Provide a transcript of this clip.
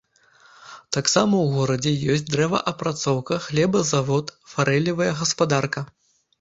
Таксама ў горадзе ёсць дрэваапрацоўка, хлебазавод, фарэлевая гаспадарка.